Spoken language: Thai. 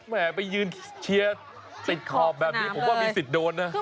แม่ไปยืนเชียร์ติดขอบแบบนี้ผมว่ามีสิทธิ์โดนนะ